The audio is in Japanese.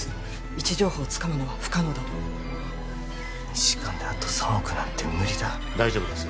位置情報をつかむのは不可能だと２時間であと３億なんて無理だ大丈夫です